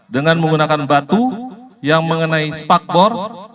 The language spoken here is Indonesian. dengan menggunakan batu yang mengenai spakbor